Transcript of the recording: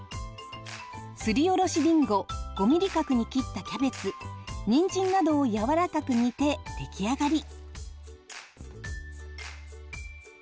すりおろしりんご５ミリ角に切ったキャベツにんじんなどをやわらかく煮て出来上がり。